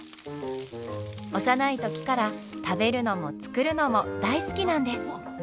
幼い時から食べるのも作るのも大好きなんです。